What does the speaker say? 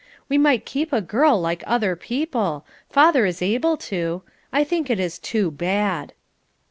We might keep a girl like other people. Father is able to. I think it is too bad."